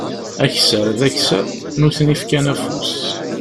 Aksar d aksar, nutni fkan afus.